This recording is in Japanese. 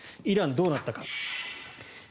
イランはどうなったか。